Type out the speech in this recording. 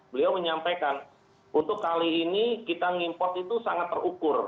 beliau menyampaikan untuk kali ini kita ngimport itu sangat terukur